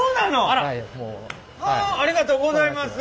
ありがとうございます。